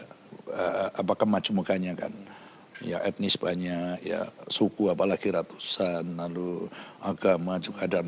hai apa kemajuan mukanya kan ya etnis banyak ya suku apalagi ratusan lalu agama juga dan